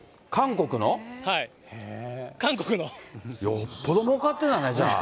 よっぽどもうかってるんだね、じゃあ。